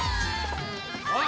おい！